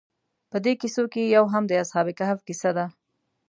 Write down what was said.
په دې کیسو کې یو هم د اصحاب کهف کیسه ده.